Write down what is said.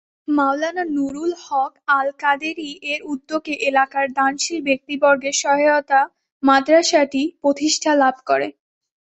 মাওলানা নুরুল হক আল কাদেরী এর উদ্যোগে এলাকার দানশীল ব্যক্তিবর্গের সহায়তা মাদ্রাসাটি প্রতিষ্ঠা লাভ করে।